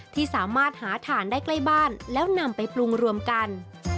ที่สามารถหาถ่านได้ใกล้บ้านแล้วนำไปปรุงรวมกัน